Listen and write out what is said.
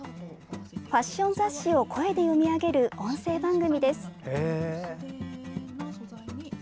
ファッション雑誌を声で読み上げる音声番組です。